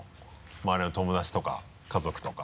周りの友達とか家族とか。